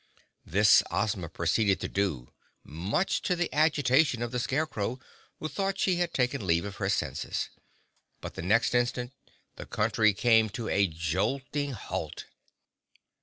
This Ozma proceeded to do, much to the agitation of the Scarecrow, who thought she had taken leave of her senses. But next instant the Country came to a jolting halt.